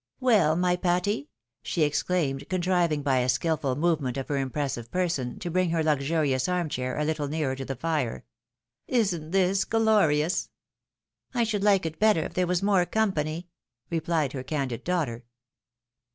" Weil, my Patty !" she exclaimed, contriving by a skilful movement of her impressive person to bring her luxurious arm chair a Uttle nearer to the fire. " Isn't this glorious? "" I should like it better if there was more company," replied her candid daughter.